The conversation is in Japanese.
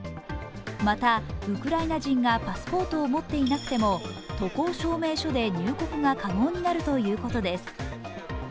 また、ウクライナ人がパスポートを持っていなくても渡航証明書で入国が可能になるということです。